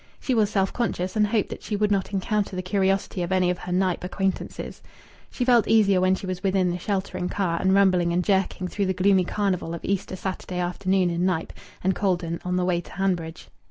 She was self conscious and hoped that she would not encounter the curiosity of any of her Knype acquaintances. She felt easier when she was within the sheltering car and rumbling and jerking through the gloomy carnival of Easter Saturday afternoon in Knype and Cauldon on the way to Hanbridge.